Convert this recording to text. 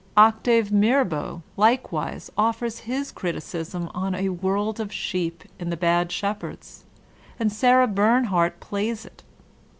Octave Mirbeau, likewise, offers his criticism on a world of sheep in ''The Bad Shepherds," and Sara Bernhardt plays it.